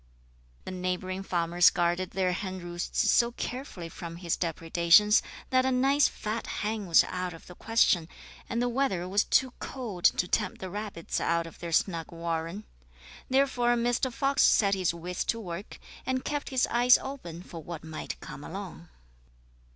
The neighbouring farmers guarded their hen roosts so carefully from his depredations that a nice fat hen was out of the question, and the weather was too cold to tempt the rabbits out of their snug warren. Therefore Mr Fox set his wits to work and kept his eyes open for what might come along.